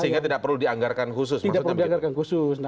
sehingga tidak perlu dianggarkan khusus